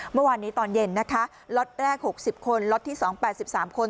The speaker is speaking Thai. เมื่อวานนี้ตอนเย็นนะคะล็อตแรก๖๐คนล็อตที่๒๘๓คน